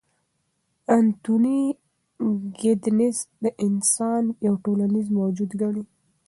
انتوني ګیدنز انسان یو ټولنیز موجود ګڼي.